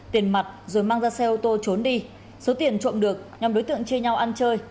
tiền mặt rồi mang ra xe ô tô trốn đi số tiền trộm được nhóm đối tượng chia nhau ăn chơi